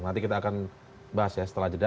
nanti kita akan bahas ya setelah jeda